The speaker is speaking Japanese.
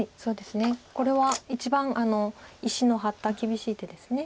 これは一番石の張った厳しい手です。